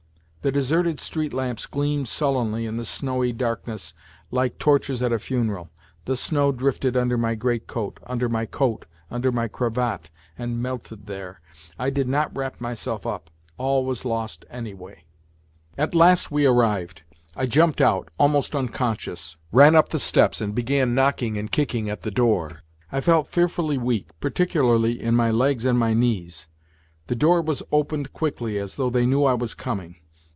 The deserted street lamps gleamed sullenly in the snowy darkness like torches at a funeral. The snow drifted under my great coat, under my coat, under my cravat, and melted there. I did not wrap myself up all was lost, anyway. At last we arrived. I jumped out, almost unconscious, ran up the steps and began knocking and kicking at the door. I felt fearfully weak, particularly in my legs and my knees. The door was opened quickly as though they knew I was coming.